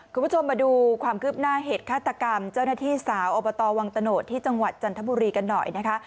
คุณผู้ชมมาดูความคืบหน้าเหตุฆาตกรรมเจ้าหน้าที่สาวอบตวังตะโนธที่จังหวัดจันทบุรีกันหน่อยนะคะ